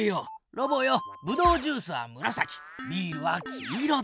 ロボよブドウジュースはむらさきビールは黄色だ！